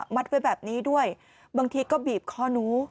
มัดไปแบบนี้ด้วยบางทีก็บีบคอนู้